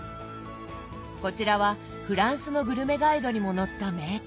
こちらはフランスのグルメガイドにも載った名店。